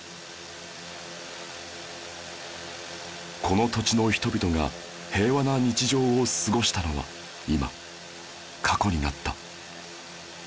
この土地の人々が平和な日常を過ごしたのは今過去になった